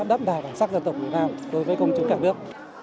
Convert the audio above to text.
đẫm đài bản sắc dân tộc việt nam đối với công chức cả nước